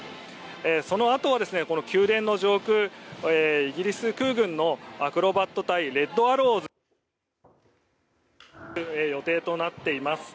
そのあと、宮殿の上空イギリス空軍のアクロバット隊レッド・アロウズが飛行する予定となっております。